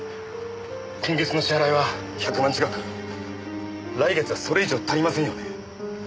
今月の支払いは１００万近く来月はそれ以上足りませんよね。